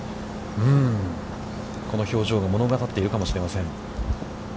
この表情が物語っているかもしれません。